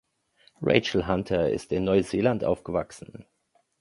Rachel Hunter ist in Neuseeland aufgewachsen.